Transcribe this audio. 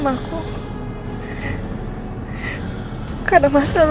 mohon siakan nasi sedikit